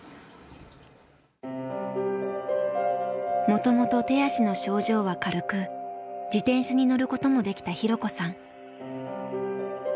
もともと手足の症状は軽く自転車に乗ることもできた弘子さん。